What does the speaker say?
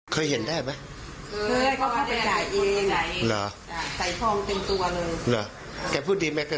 เพราะว่าวันที่๑โทรหาแก